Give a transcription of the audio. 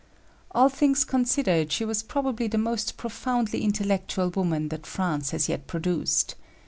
All things considered, she was probably the most profoundly intellectual woman that France has yet produced.